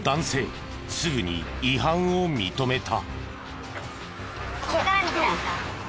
すぐに違反を認めた。